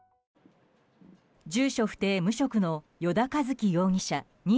住所不定・無職の依田一樹容疑者